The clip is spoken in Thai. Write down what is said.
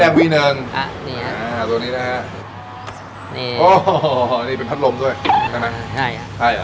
โฮนะนี่เป็นพัดลมด้วยได้มั้ยใช่